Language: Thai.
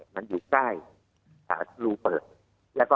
มันอยู่ใส่ภาพรูปเปิด